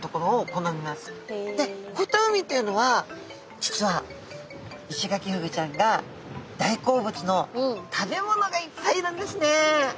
こういった海っていうのは実はイシガキフグちゃんが大好物の食べ物がいっぱいいるんですね。